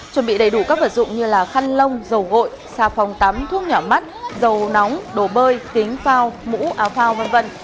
chuẩn bị đầy đủ các vật dụng như khăn lông dầu gội xà phòng tắm thuốc nhỏ mắt dầu nóng đồ bơi kính phao mũ áo phao v v